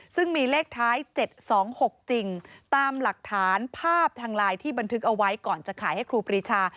ซึ่งมีเลขท้าย๗๒๖จริงตามหลักฐานภาพทางไลน์ที่บันทึกเอาไว้ก่อนจะขายให้ครูปรีชา